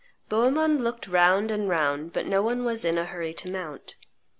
Bohemond looked round and round, but no one was in a hurry to mount.